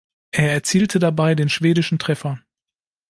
Er erzielte dabei den schwedischen Treffer.